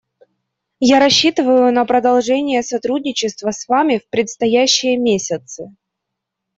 Я рассчитываю на продолжение сотрудничества с Вами в предстоящие месяцы.